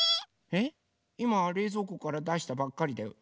えっいまれいぞうこからだしたばっかりだよ。